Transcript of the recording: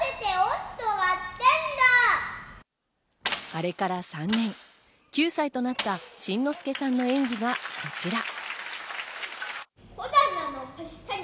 あれから３年、９歳となった新之助さんの演技がこちら。